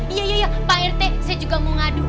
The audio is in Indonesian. iya iya pak rt saya juga mau ngadu